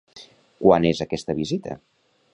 Quan és aquesta visita?